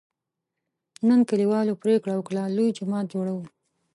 نن کلیوالو پرېکړه وکړه: لوی جومات جوړوو.